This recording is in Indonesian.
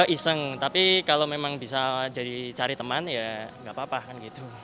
iseng tapi kalau memang bisa cari teman ya nggak apa apa kan gitu